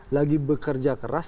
lagi bekerja keras